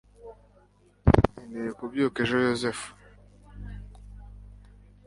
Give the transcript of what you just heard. Nkeneye kubyuka kare ejo. (Yozefu)